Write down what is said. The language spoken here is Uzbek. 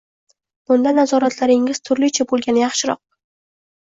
Bunda nazoratlaringiz turlicha bo‘lgani yaxshiroq.